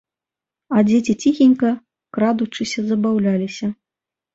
А дзеці ціхенька, крадучыся, забаўляліся.